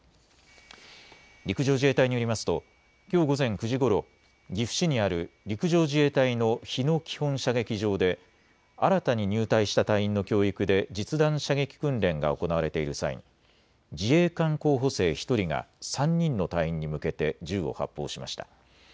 陸上自衛隊によりますときょう午前９時ごろ岐阜市にある陸上自衛隊の日野基本射撃場で新たに入隊した隊員の教育で実弾射撃訓練が行われている際に自衛官候補生１人が３人の隊員に向けて銃を発砲しました。